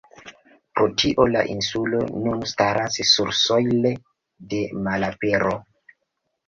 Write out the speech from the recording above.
Pro tio, la insulo nun staras sursojle de malapero.